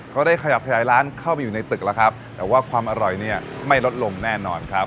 เขาได้ขยับขยายร้านเข้าไปอยู่ในตึกแล้วครับแต่ว่าความอร่อยเนี่ยไม่ลดลงแน่นอนครับ